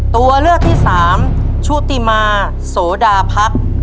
ตัวเลือกที่๓ชุติมาโสดัง